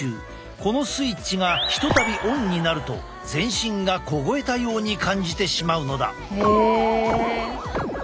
このスイッチがひとたびオンになると全身が凍えたように感じてしまうのだ。